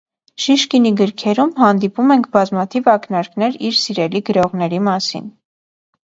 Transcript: Շիշկինի գրքերում հանդիպում ենք բազմաթիվ ակնարկներ իր սիրելի գրողների մասին։